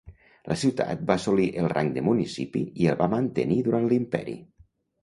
La ciutat va assolir el rang de municipi i el va mantenir durant l'imperi.